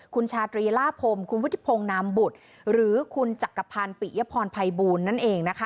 คุณชาดรีลาพมคุณวิทพงศ์นามบุตรหรือคุณจักรพรปี่ยพรไพบูลนั่นเองนะคะ